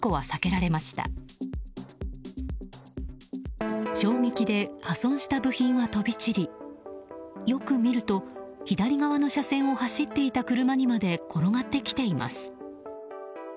衝撃で破損した部品は飛び散りよく見ると、左側の車線を走っていた車にまで転がってきています。